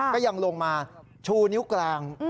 ก็ยังลงมาชูนิ้วกลาง